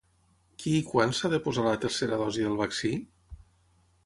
Qui i quan s’ha de posar la tercera dosi del vaccí?